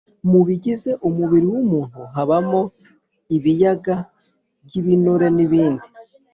mu bigize umubiri w’umuntu habamo ibiyaga nk’ibinure n’ibindi